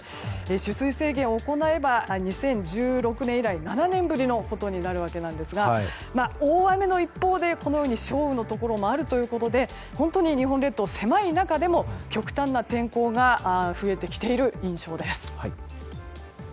取水制限を行えば２０１６年以来７年ぶりのことになるわけですが大雨の一方で少雨のところもあるということで本当に日本列島、狭い中でも極端な天候が増えてきている印象です。